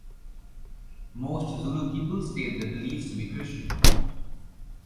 Most Zulu people state their beliefs to be Christian.